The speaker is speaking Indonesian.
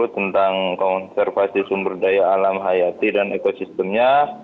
tentang konservasi sumber daya alam hayati dan ekosistemnya